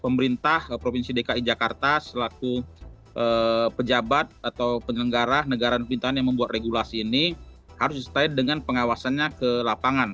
pemerintah provinsi dki jakarta selaku pejabat atau penyelenggara negara pemerintahan yang membuat regulasi ini harus disetai dengan pengawasannya ke lapangan